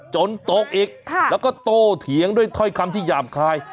จนตกอีกค่ะแล้วก็โตเหียงด้วยทร่อยคำที่หย่ามคาย